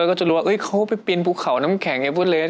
ก็จะรู้ว่าเอ้ยเขาไปปีนปุ๊กเขาน้ำแข็ง